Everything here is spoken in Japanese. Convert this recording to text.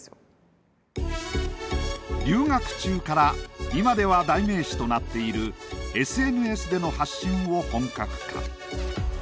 留学中から今では代名詞となっているＳＮＳでの発信を本格化。